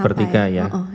ketika kita sampai